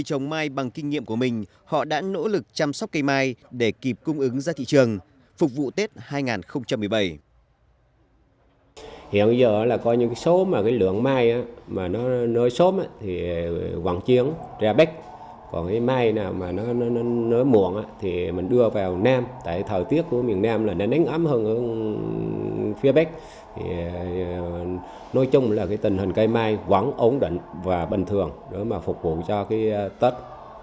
trong kinh nghiệm của mình họ đã nỗ lực chăm sóc cây mai để kịp cung ứng ra thị trường phục vụ tết hai nghìn một mươi bảy